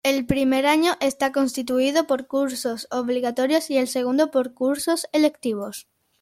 El primer año está constituido por cursos obligatorios y el segundo por cursos electivos.